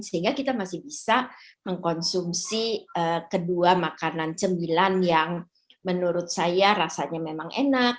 sehingga kita masih bisa mengkonsumsi kedua makanan cemilan yang menurut saya rasanya memang enak